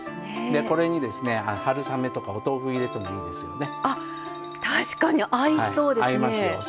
これに、春雨とかお豆腐を入れても確か似合いそうですね。